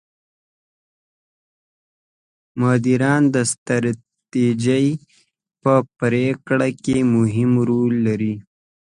مدیران د ستراتیژۍ په پرېکړو کې مهم رول لري.